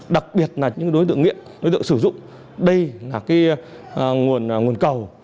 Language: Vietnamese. đặc biệt là những đối tượng nghiện đối tượng sử dụng đây là nguồn cầu